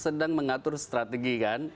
sedang mengatur strategi kan